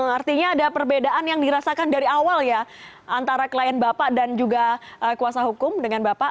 artinya ada perbedaan yang dirasakan dari awal ya antara klien bapak dan juga kuasa hukum dengan bapak